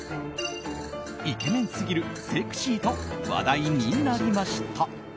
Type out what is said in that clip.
イケメンすぎるセクシーと話題になりました。